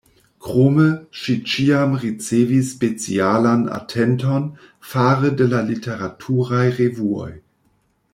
Krome, ŝi ĉiam ricevis specialan atenton fare de la literaturaj revuoj.